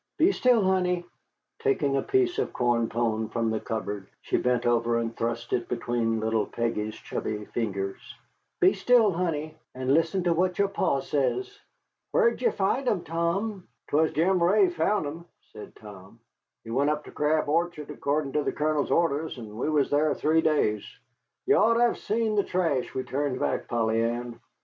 "Be still, honey!" Taking a piece of corn pone from the cupboard, she bent over and thrust it between little Peggy's chubby fingers "Be still, honey, and listen to what your Pa says. Whar did ye find 'em, Tom?" "'Twas Jim Ray found 'em," said Tom. "We went up to Crab Orchard, accordin' to the Colonel's orders, and we was thar three days. Ye ought to hev seen the trash we turned back, Polly Ann!